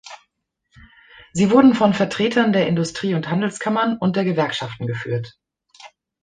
Sie wurden von Vertretern der Industrie- und Handelskammern und der Gewerkschaften geführt.